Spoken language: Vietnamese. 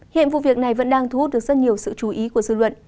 hiện vụ việc này vẫn đang thu hút được rất nhiều sự chú ý của dư luận